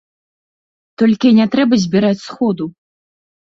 Толькі не трэба збіраць сходу.